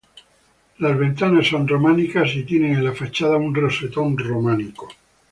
Las ventanas son románicas y tiene en la fachada un rosetón románico.